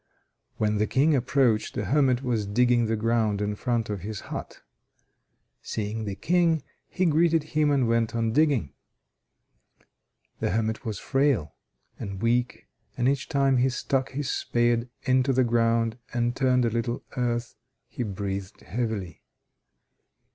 When the King approached, the hermit was digging the ground in front of his hut. Seeing the King, he greeted him and went on digging. The hermit was frail and weak, and each time he stuck his spade into the ground and turned a little earth, he breathed heavily.